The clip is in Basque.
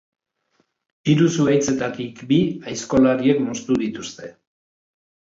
Hiru zuhaitzetatik bi aizkolariek moztu dituzte.